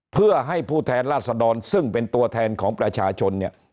เพื่อให้ผู้แทนราษดรซึ่งเป็นตัวแทนของประชาชนเนี่ย